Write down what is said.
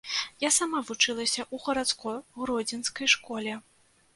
Я сама вучылася ў гарадской гродзенскай школе.